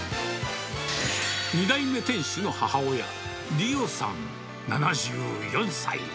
２代目店主の母親、利予さん７４歳。